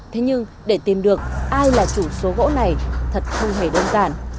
thế nhưng để tìm được ai là chủ số gỗ này thật không hề đơn giản